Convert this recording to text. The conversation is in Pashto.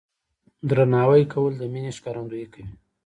درناوی کول د مینې ښکارندویي کوي.